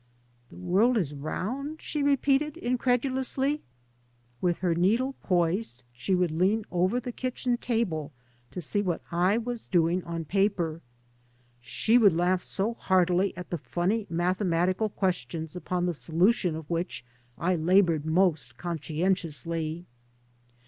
" The world is round?" she repeated incredulously. With her needle poised she would lean over the kitchen table, to see what I was doing on paper. She would laugh so heartily at the funny mathematical questions upon the solu tion of which I laboured most conscientiously.